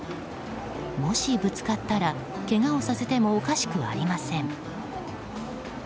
もし、ぶつかったらけがをさせてもおかしくありません。